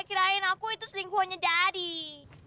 kirain aku itu selingkuhannya daddy